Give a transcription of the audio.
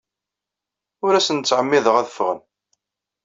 Ur asen-ttɛemmideɣ ad ffɣen.